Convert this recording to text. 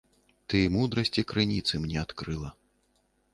Ты мудрасці крыніцы мне адкрыла.